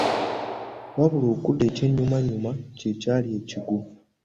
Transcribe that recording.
Wabula okudd ekyennyumannyuma kye kyali ekigwo.